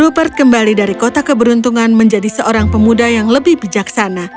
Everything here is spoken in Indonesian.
rupert kembali dari kota keberuntungan menjadi seorang pemuda yang lebih bijaksana